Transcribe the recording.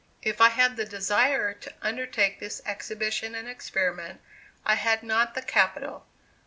If I had the desire to undertake this exhibition and experiment, I had not the capital.